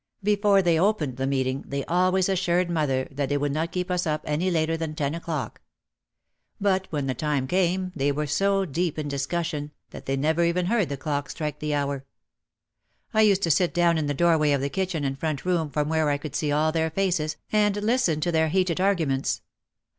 Before they opened the meeting they always assured mother that they would not keep us up any later than ten o'clock. But when the time came they were so deep in discussion that they never even heard the clock strike the hour. I used to sit down in the doorway of the kitchen and front room from where I could see all their faces and listen to their heated arguments.